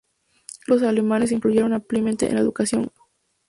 Los científicos alemanes influyeron ampliamente en la educación costarricense.